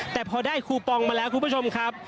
แต่พอได้คูปองมาแล้วคุณผู้ชมครับ